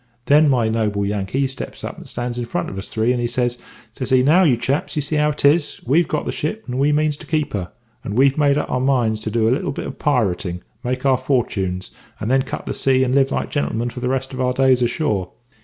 Then my noble Yankee, he steps up and stands in front of us three, and he says, says he, `Now, you chaps, you see how it is; we've got the ship and we means to keep her; and we've made up our minds to do a little bit of pirating; make our fortunes; and then cut the sea and live like gentlemen for the rest of our days ashore.